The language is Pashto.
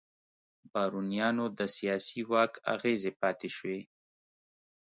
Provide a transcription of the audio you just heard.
بارونیانو د سیاسي واک اغېزې پاتې شوې.